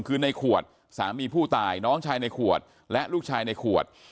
คือในขวดสามีผู้ตายน้องชายในขวดและลูกชายในขวด